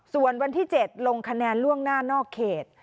ส่วนวันที่๗ลงคะแนนล่วงหน้านอกเขต